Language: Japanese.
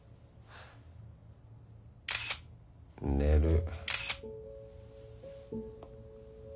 寝る。